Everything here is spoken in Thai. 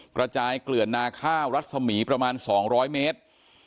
กระจายเกลื่อนนาข้าวรัศมีประมาณ๒๐๐เมตร